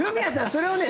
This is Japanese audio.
それをね